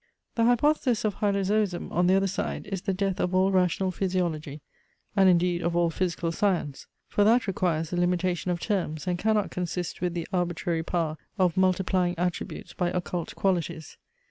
The hypothesis of Hylozoism, on the other side, is the death of all rational physiology, and indeed of all physical science; for that requires a limitation of terms, and cannot consist with the arbitrary power of multiplying attributes by occult qualities.